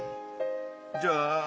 じゃあ。